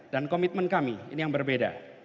dan komitmen kami ini yang berbeda